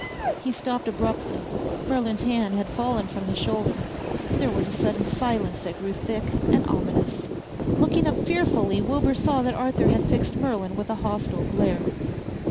He stopped abruptly. Merlin's hand had fallen from his shoulder. There was a sudden silence that grew thick and ominous. Looking up fearfully, Wilbur saw that Arthur had fixed Merlin with a hostile glare.